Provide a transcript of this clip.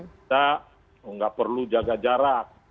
kita nggak perlu jaga jarak